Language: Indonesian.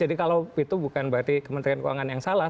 jadi kalau itu bukan berarti kementerian keuangan yang salah